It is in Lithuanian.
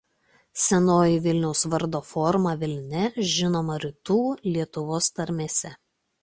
Senoji Vilniaus vardo forma "Vilnia" žinoma rytų Lietuvos tarmėse.